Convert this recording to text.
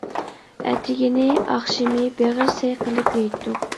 ئەتىگىنى ئاخشىمى بېغىر سەي قىلىپ يەيتتۇق.